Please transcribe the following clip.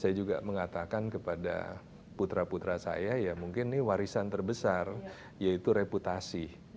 saya juga mengatakan kepada putra putra saya ya mungkin ini warisan terbesar yaitu reputasi